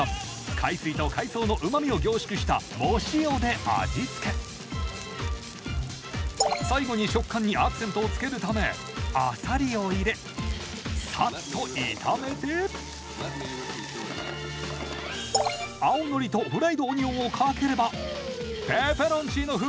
海水と海藻のうまみを凝縮した藻塩で味付け最後に食感にアクセントをつけるためアサリを入れさっと炒めて青のりとフライドオニオンをかければペペロンチーノ風